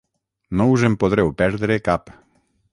No us en podreu perdre cap.